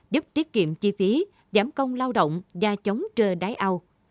giúp tiết kiệm chi phí giảm công lao động và chống trơ đáy ao